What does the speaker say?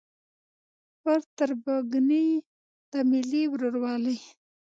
پر تربګنۍ د ملي ورورولۍ